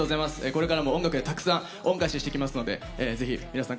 これからも音楽でたくさん恩返ししていきますのでぜひ皆さん